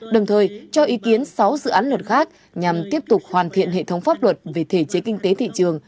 đồng thời cho ý kiến sáu dự án luật khác nhằm tiếp tục hoàn thiện hệ thống pháp luật về thể chế kinh tế thị trường